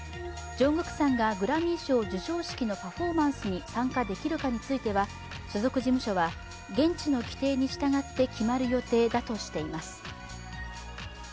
ＪＵＮＧＫＯＯＫさんがグラミー賞授賞式のパフォーマンスに参加できるかについては、所属事務所は現地の規定に従って決まる予定だとしています。